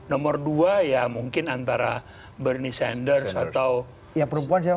nomor dua ya mungkin antara bernie sanders atau warren